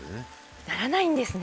あっならないんですね。